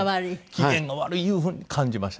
機嫌が悪いいうふうに感じましたね。